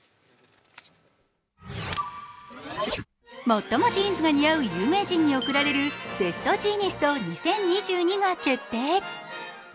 最もジーンズが似合う有名人に贈られるベストジーニスト２０２２が決定。